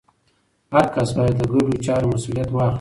هر کس باید د ګډو چارو مسوولیت واخلي.